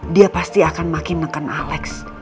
dia pasti akan makin makan alex